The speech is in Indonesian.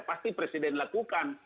pasti presiden lakukan